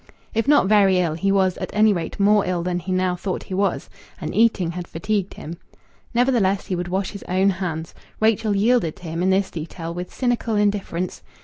If not very ill, he was, at any rate, more ill than he now thought he was, and eating had fatigued him. Nevertheless, he would wash his own hands. Rachel yielded to him in this detail with cynical indifference.